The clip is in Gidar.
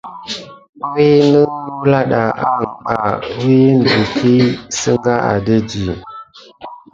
Winən noula ɗa anŋɓa amma wiyin də kini. Sənga adedi.